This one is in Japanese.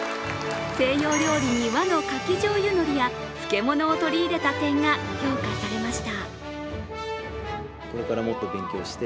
西洋料理に和のかき醤油のりや漬物を取り入れた点が評価されました。